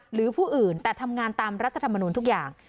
หรือผู้อื่นแต่ทำงานตามรัฐธรรมนุนทุกอย่าง